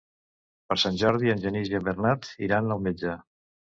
Per Sant Jordi en Genís i en Bernat iran al metge.